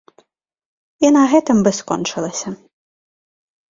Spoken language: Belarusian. І на гэтым бы скончылася.